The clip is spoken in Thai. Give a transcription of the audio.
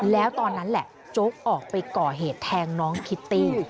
แล้วตอนนั้นแหละโจ๊กออกไปก่อเหตุแทงน้องคิตตี้